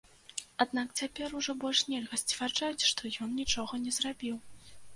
Аднак цяпер ужо больш нельга сцвярджаць, што ён нічога не зрабіў.